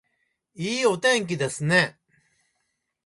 いいお天気ですね